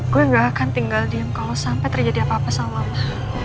gue gak akan tinggal diem kalau sampai terjadi apa apa samalah